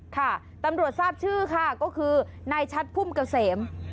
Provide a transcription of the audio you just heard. ค่ะตำรวจทราบชื่อค่ะก็คือนายชัดพุ่มเกษม